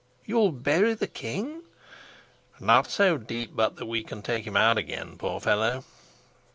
"You'll bury the king?" "Not so deep but that we can take him out again, poor fellow.